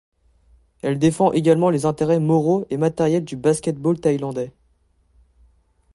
Elle défend également les intérêts moraux et matériels du basket-ball thaïlandais.